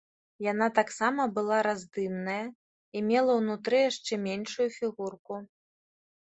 Яна таксама была раздымныя і мела ўнутры яшчэ меншую фігурку.